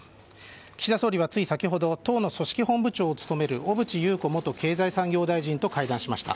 岸田総理はつい先ほど党の組織本部長を務める小渕優子元経済産業大臣と会談しました。